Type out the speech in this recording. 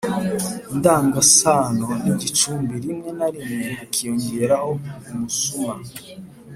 indangasano n’igicumbi Rimwe na rimwe hakiyongeraho umusuma.